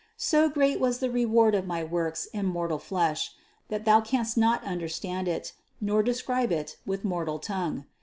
So great was the reward of my works in mortal flesh, that thou canst not understand it, nor describe it with mortal tongue.